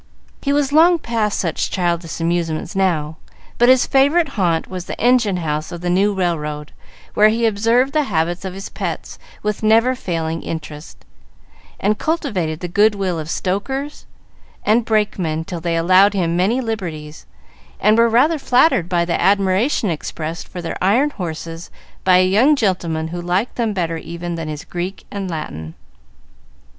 He was long past such childish amusements now, but his favorite haunt was the engine house of the new railroad, where he observed the habits of his pets with never failing interest, and cultivated the good will of stokers and brakemen till they allowed him many liberties, and were rather flattered by the admiration expressed for their iron horses by a young gentleman who liked them better even than his Greek and Latin.